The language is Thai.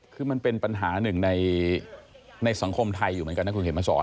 คือมันเป็นปัญหาหนึ่งในสังคมไทยอยู่เหมือนกันนะคุณเขียนมาสอน